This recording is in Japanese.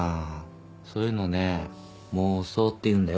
そういうのね妄想っていうんだよ。